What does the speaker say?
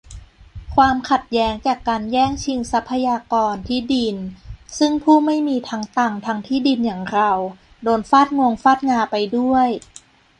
ความขัดแย้งจากการแย่งชิงทรัพยากร-ที่ดิน ซึ่งผู้ไม่มีทั้งตังค์ทั้งที่ดินอย่างเรา โดนฟาดงวงฟาดงาไปด้วย